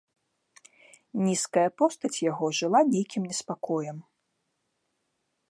Нізкая постаць яго жыла нейкім неспакоем.